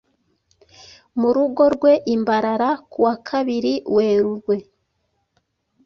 mu rugo rwe i Mbarara ku wa kabiri Werurwe